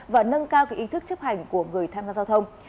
và nâng cao ý thức chấp hành của người tham gia giao thông